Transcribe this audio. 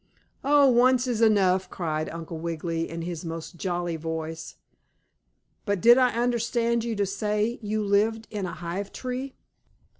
"Oh, once is enough!" cried Uncle Wiggily in his most jolly voice. "But did I understand you to say you lived in a hive tree?"